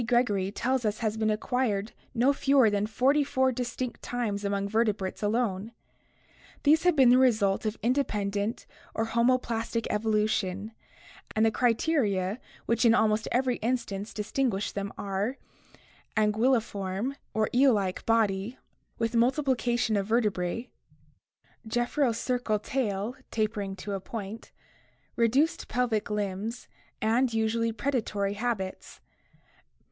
Gregory tells us has been acquired no fewer than forty four distinct times among vertebrates alone. These have been the result of independent or homoplastic evolution, and the criteria which in almost every instance distinguish them are: anguilliform (eel like) body with multiplication of vertebrae, gephyrocercal tail (tapering to a point), reduced pelvic limbs, and usually predatory habits.